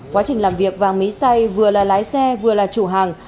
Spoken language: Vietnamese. quá trình làm việc vàng mỹ say vừa là lái xe vừa là chủ hàng